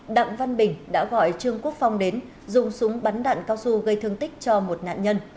đặng văn bình đã gọi trương quốc phong đến dùng súng bắn đạn cao su gây thương tích cho một nạn nhân